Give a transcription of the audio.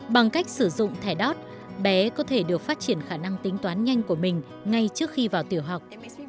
bằng cách sử dụng thẻ đót bé có thể được phát triển khả năng tính toán nhanh của mình ngay trước khi vào tiểu học